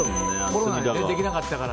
コロナでできなかったから。